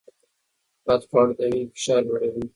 بدخواړه د وینې فشار لوړوي.